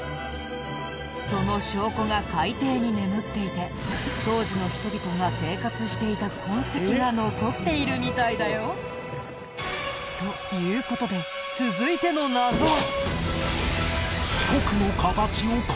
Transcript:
その証拠が海底に眠っていて当時の人々が生活していた痕跡が残っているみたいだよ。という事で続いての謎は。